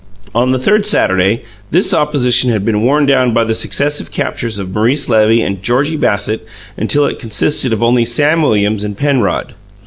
On the third Saturday this opposition had been worn down by the successive captures of Maurice Levy and Georgie Bassett until it consisted of only Sam Williams and Penrod.